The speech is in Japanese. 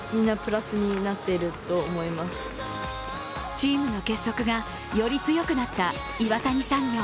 チームの結束がより強くなった岩谷産業。